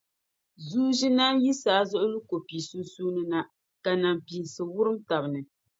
Zuu zinani yi saazuɣu lu ko' pii sunsuuni na ka nampiinsi wurum taba ni.